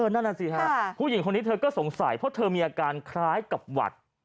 นั่นน่ะสิฮะผู้หญิงคนนี้เธอก็สงสัยเพราะเธอมีอาการคล้ายกับหวัด